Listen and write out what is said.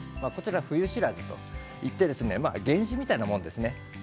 冬知らずといって原種みたいなものですね。